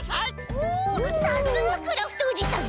おさすがクラフトおじさん。